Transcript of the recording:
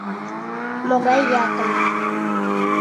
Могай якын!